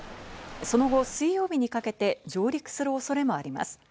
その後、水曜日にかけて上陸する恐れもあります。